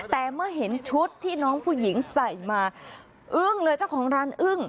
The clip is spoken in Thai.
แต่เมื่อเห็นชุดที่น้องผู้หญิงใส่มาอึ้งเลยเจ้าของร้านอึ้ง